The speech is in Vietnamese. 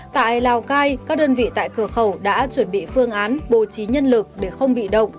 tại lào cai các đơn vị tại cửa khẩu đã chuẩn bị phương án bố trí nhân lực để không bị động